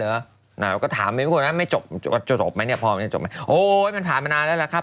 เราก็ถามคนอื่นก็ไม่จบจบมั้ยเนี่ยพอมันจะจบมั้ยโอ้ยมันผ่านมานานแล้วนะครับ